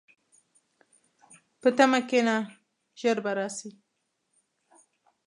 په تمه کښېنه، ژر به راشي.